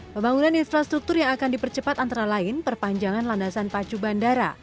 pembangunan infrastruktur yang akan dipercepat antara lain perpanjangan landasan pacu bandara